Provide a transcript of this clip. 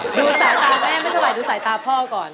ดูสายตาแม่ไม่ถูกก่อนดูสายตาพ่อก่อน